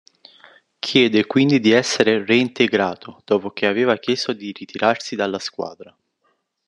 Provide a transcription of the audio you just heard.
Chiede quindi di essere reintegrato, dopo che aveva chiesto di ritirarsi dalla squadra.